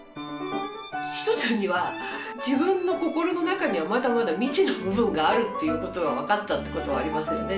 一つには自分の心の中にはまだまだ未知の部分があるっていうことが分かったっていうことはありますよね